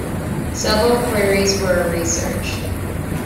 Several quarries were researched.